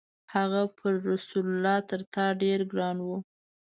هغه پر رسول الله تر تا ډېر ګران و.